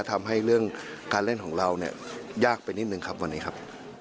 ทำให้เรื่องการเล่นของเราเนี่ยยากไปนิดนึงครับวันนี้ครับ